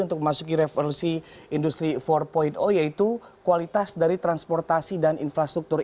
untuk memasuki revolusi industri empat yaitu kualitas dari transportasi dan infrastruktur